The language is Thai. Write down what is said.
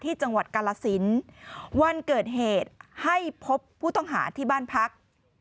จังหวัดกาลสินวันเกิดเหตุให้พบผู้ต้องหาที่บ้านพัก